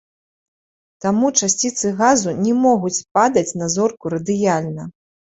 Таму часціцы газу не могуць падаць на зорку радыяльна.